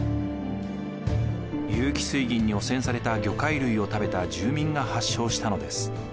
有機水銀に汚染された魚介類を食べた住民が発症したのです。